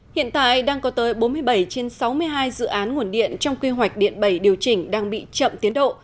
hiện tại đang có tới bốn mươi bảy trên sáu mươi hai dự án nguồn điện trong quy hoạch điện bảy điều chỉnh đang bị chậm tiến độ